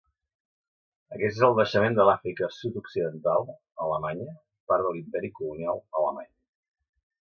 Aquest és el naixement de l'Àfrica Sud-occidental Alemanya, part de l'Imperi colonial alemany.